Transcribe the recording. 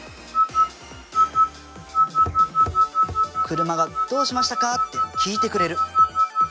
車が「どうしましたか？」って聞いてくれる。